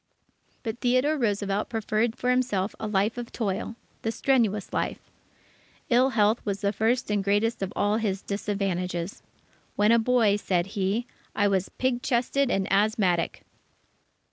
But Theodore Roosevelt preferred for himself a life of toil the strenuous life. Ill health was the first and greatest of all his disadvantages. "When a boy," said he, "I was pig chested and asthmatic."